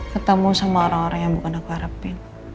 ketemu sama orang orang yang bukan aku harapin